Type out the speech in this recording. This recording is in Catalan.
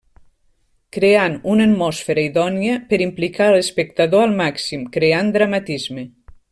Creant una atmosfera idònia per implicar a l'espectador al màxim, creant dramatisme.